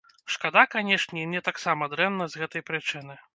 Шкада, канешне, і мне таксама дрэнна з гэтай прычыны.